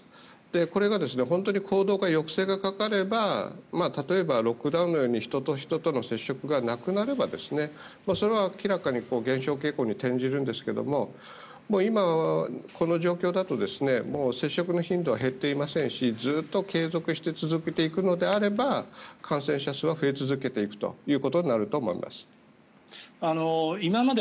これが本当に行動に抑制がかかれば例えばロックダウンのように人と人との接触がなくなればそれは明らかに減少傾向に転じるんですけれども今はこの状況だと接触の頻度は減っていませんしずっと継続して続けていくのであれば感染者数は増え続けていくということになると思います。